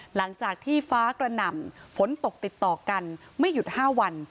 หลังจากที่ฟ้ากระหน่ำฝนตกติดต่อกันไม่หยุด๕วัน